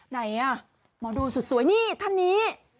ไหนอ่ะหมอดูสุดสวยนี่ท่านนี้